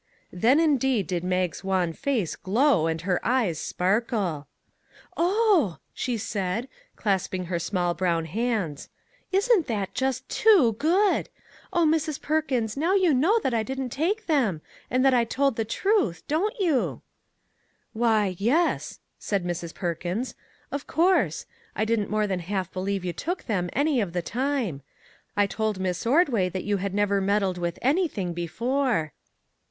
Then indeed did Mag's wan face glow and her eyes sparkle. " Oh !" she said, clasping her small brown hands, " isn't that just too good ! Oh, Mrs. Perkins, now you know that I did not take them, and that I told the truth, don't you? "" Why, yes," said Mrs. Perkins, " of course. I didn't more than half believe you took them any of the time. I told Miss Ordway 132 Miss Ordway gave this to me," she said. THINGS "WORKING TOGETHER" that you had never meddled with anything before."